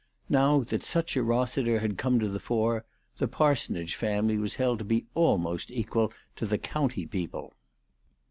Now that such a Eossiter had come to the fore, the parsonage family was held to be almost equal to county people.